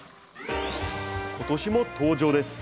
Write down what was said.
今年も登場です！